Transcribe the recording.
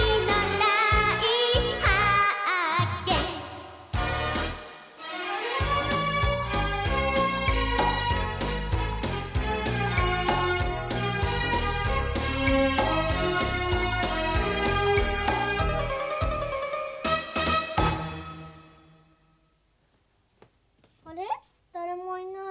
だれもいない。